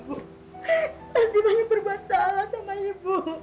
pasti banyak berbuat salah sama ibu